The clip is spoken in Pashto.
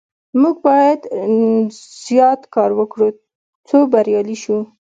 موږ باید زیات کار وکړو څو بریالي شو.